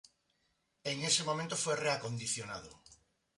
En ese momento fue reacondicionado.